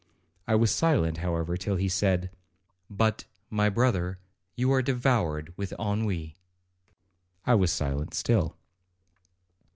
I was silent, however, till he said, 'But, my brother, you are devoured with ennui.' I was silent still.